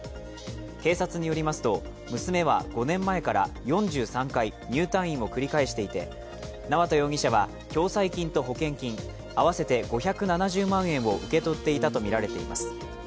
警察によります、娘は５年前から４３回入退院を繰り返していて、縄田容疑者は共済金と保険金合わせて５７０万円を受け取っていたとみられています。